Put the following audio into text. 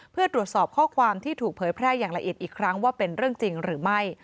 เพื่อตรวจสอบข้อความที่ถูกเผยแพร่อย่างละเอียดอีกครั้งว่าเป็นเรื่องจริงหรือไม่